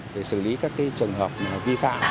để xử lý các trường hợp vi phạm